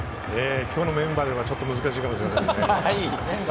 今日のメンバーではちょっと難しいかもしれませんね。